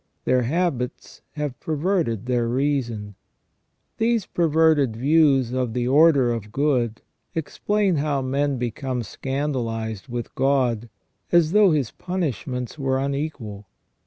Their habits have perverted their reason. These perverted views of the order of good explain how men become scandalized with God, as though His punishments were ON PENAL EVIL OR PUNISHMENT. 243 unequal.